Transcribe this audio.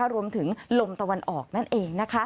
รวมถึงลมตะวันออกนั่นเอง